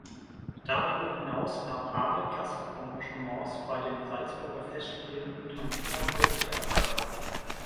Darüber hinaus nahm Hamel Gastengagements bei den Salzburger Festspielen und am Wiener Burgtheater wahr.